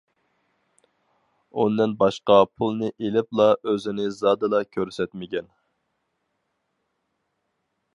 ئۇندىن باشقا پۇلنى ئېلىپلا ئۆزىنى زادىلا كۆرسەتمىگەن.